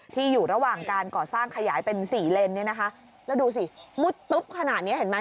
อยู่ระหว่างการก่อสร้างขยายเป็นสี่เลนเนี่ยนะคะแล้วดูสิมุดตุ๊บขนาดนี้เห็นไหม